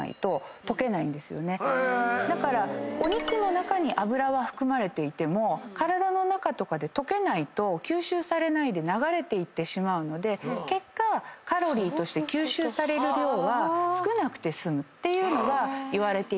だからお肉の中に脂は含まれていても体の中とかで溶けないと吸収されないで流れていってしまうので結果カロリーとして吸収される量は少なくて済むっていうのがいわれていたり。